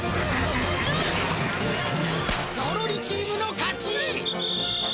ゾロリチームの勝ち！